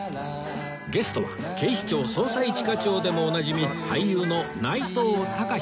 ゲストは『警視庁・捜査一課長』でもおなじみ俳優の内藤剛志さん